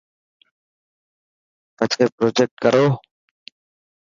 پڇي پروجيڪٽ ڪرو.